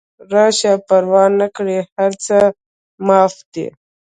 راشه پروا نکړي هر څه معاف دي